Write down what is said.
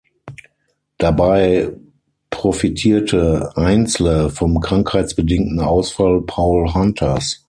Dabei profitierte Einsle vom krankheitsbedingten Ausfall Paul Hunters.